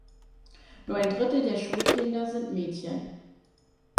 Nur ein Drittel der Schulkinder sind Mädchen.